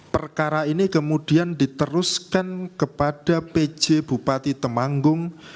perkara ini kemudian diteruskan kepada pj bupati temanggung